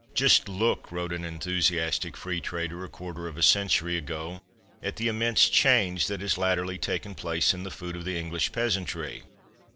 "Just look," wrote an enthusiastic Free Trader, a quarter of a century ago, "at the immense change that has latterly taken place in the food of the English peasantry.